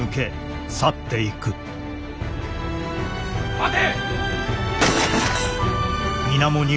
待て！